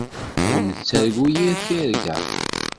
Ur nettargu yir tirga.